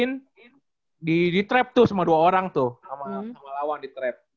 angeline ditrap tuh sama dua orang tuh sama lawan ditrap